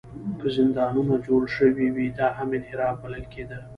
که زندانونه جوړ شوي وي، دا هم انحراف بلل کېده.